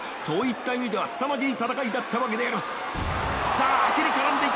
そういった意味ではすさまじい戦いだったわけであります。